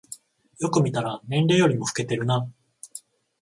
よく見たら年齢よりも老けてるな